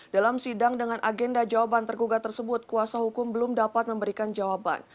dalam sidang dengan agenda jawaban tergugat tersebut kuasa hukum belum dapat memberikan jawaban